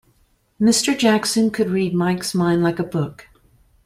Mr. Jackson could read Mike's mind like a book.